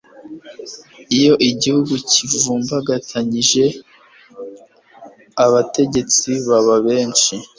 Iyo igihugu kivumbagatanyije abategetsi baba benshi